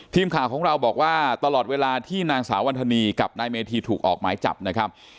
ทีมข่าวของเราบอกว่าตลอดเวลาที่นางสาววันธนีกับนายเมธีถูกออกหมายจับนะครับ